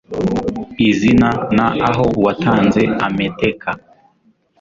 izina n aho uwatanze ameteka